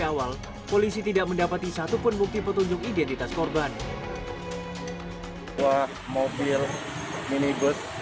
awal polisi tidak mendapati satupun bukti petunjuk identitas korban wah mobil minibus